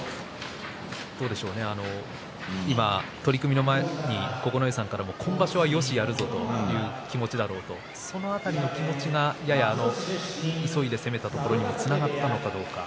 取組前に九重さんから今場所は、よし、やるぞという気持ちだろうとその辺りも気持ちが急いで攻めたところにもつながったのかどうか。